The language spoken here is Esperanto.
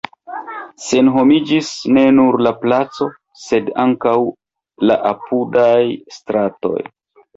Senhomiĝis ne nur la placo, sed ankaŭ la apudaj stratoj.